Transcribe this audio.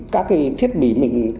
các thiết bị mình